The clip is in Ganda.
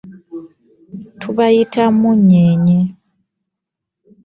Tubayita munyenye.